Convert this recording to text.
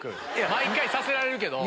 毎回させられるけど。